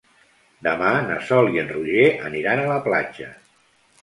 Demà na Sol i en Roger aniran a la platja.